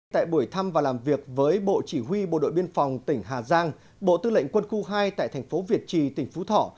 tại buổi thăm và làm việc với bộ chỉ huy bộ đội biên phòng tỉnh hà giang bộ tư lệnh quân khu hai tại thành phố việt trì tỉnh phú thọ